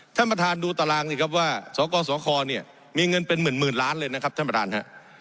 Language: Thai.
ท่านประธานดูตารางสิครับว่าสกสคเนี่ยมีเงินเป็นหมื่นล้านเลยนะครับท่านประธานฮะ